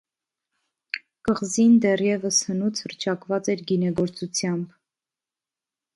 Կղզին դեռև հնուց հռչակված էր գինեգործությամբ։